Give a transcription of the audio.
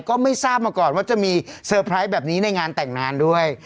ก็ไม่ทราบมาก่อนว่าจะมีเซอร์ไพรส์แบบนี้ในงานแต่งงานด้วย